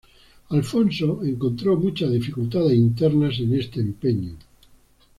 Alfonso encontró muchas dificultades internas en este empeño.